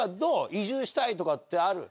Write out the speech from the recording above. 移住したいとかある？